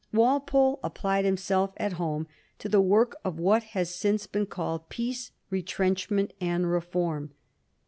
Walpole applied himself at home to the work of what has since been called Peace, Retrenchment, and Reform.